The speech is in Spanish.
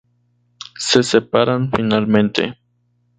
Se separan finalmente.